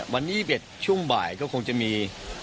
วันที่๒๑ช่วงบ่ายก็คงจะมี